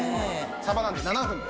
サバなので７分で。